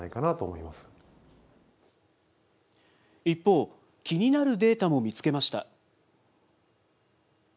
一方、気になるデータも見つけました。